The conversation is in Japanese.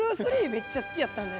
めっちゃ好きやったんで。